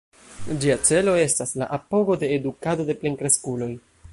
Ĝia celo estas la apogo de edukado de plenkreskuloj.